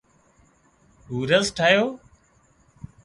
هورز ٺاهيو